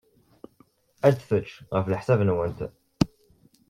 Ad tečč, ɣef leḥsab-nwent?